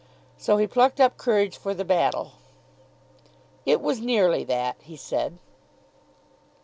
So he plucked up courage for the battle. "It was nearly that," he said.